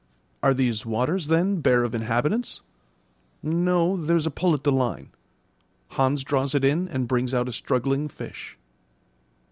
Are these waters, then, bare of inhabitants? No, there's a pull at the line. Hans draws it in and brings out a struggling fish.